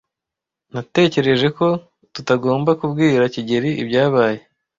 Natekereje ko tutagomba kubwira kigeli ibyabaye.